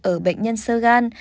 ở bệnh nhân sơ gan